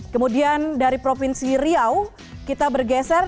kemudian dari provinsi riau kita bergeser